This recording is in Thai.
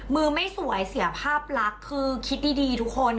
มือไม่สวยเสียภาพลักษณ์คือคิดดีทุกคน